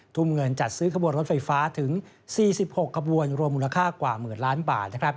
ทุ่มเงินจัดซื้อขบวนรถไฟฟ้าถึง๔๖ขบวนรวมมูลค่ากว่าหมื่นล้านบาท